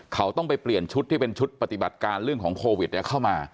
เขาต้องไปเปลี่ยนชุดที่เป็นชุดปฏิบัติการเรื่องของโควิดเข้ามา